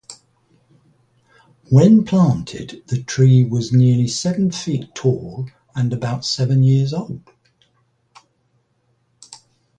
When planted, the tree was nearly seven feet tall and about seven years old.